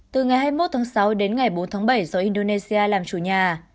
từ ngày hai mươi một tháng sáu đến ngày bốn tháng bảy do indonesia làm chủ nhà